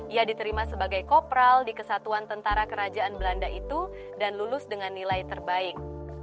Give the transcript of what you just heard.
ia diterima sebagai kopral di kesatuan tentara kerajaan belanda itu dan lulus dengan nilai terbaik